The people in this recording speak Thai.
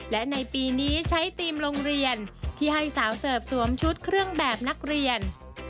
และในปีนี้ใช้ธีมโรงเรียนที่ให้สาวเสิร์ฟสวมชุดเครื่องแบบนักเรียน